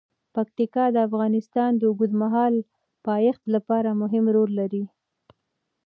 پکتیا د افغانستان د اوږدمهاله پایښت لپاره مهم رول لري.